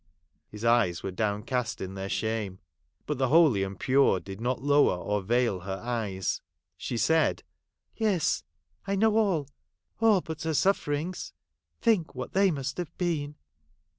His eyes were downcast in their shame. But the holy and pure, did not lower or vail her eyes. She said, 'Yes, I know all — all but her sufferings. Think what they must have been